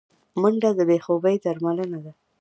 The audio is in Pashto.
منډه د بې خوبي درملنه ده